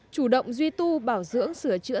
chủ động duy tu bảo dưỡng sửa chữa